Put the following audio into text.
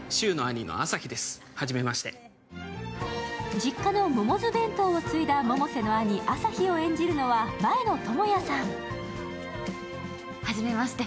実家のモモズ弁当を継いだ百瀬の兄・旭を演じるのは前野朋哉さん。